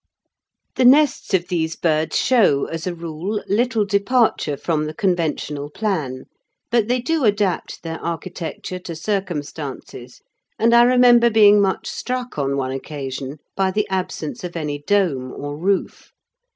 The nests of these birds show, as a rule, little departure from the conventional plan, but they do adapt their architecture to circumstances, and I remember being much struck on one occasion by the absence of any dome or roof.